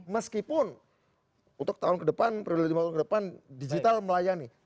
meskipun untuk tahun ke depan prioritas ke depan digital melayani